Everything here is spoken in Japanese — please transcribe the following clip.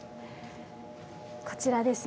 こちらですね。